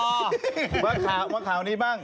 มาถามวันข้าวนี้บ้าง